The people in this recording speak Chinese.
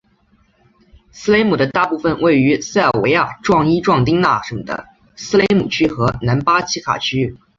斯雷姆的大部分位于塞尔维亚伏伊伏丁那省的斯雷姆区和南巴奇卡区。